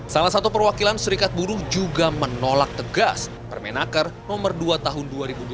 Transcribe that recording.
salah satu perwakilan serikat buruh juga menolak tegas permenaker nomor dua tahun dua ribu dua puluh